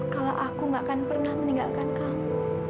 kalau aku gak akan pernah meninggalkan kamu